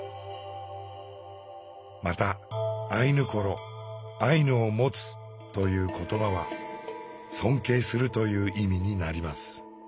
また「アイヌコロ」「アイヌを持つ」という言葉は「尊敬する」という意味になります。